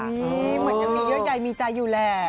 เหมือนยังมีเยอะใหญ่มีใจอยู่แหละ